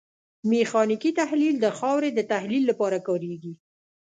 میخانیکي تحلیل د خاورې د تحلیل لپاره کاریږي